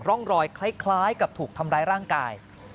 ร่องรอยคล้ายกับถูกทำร้ายร่างกาย